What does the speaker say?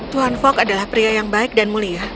tuan fok adalah pria yang baik dan mulia